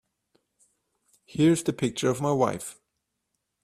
Here's the picture of my wife.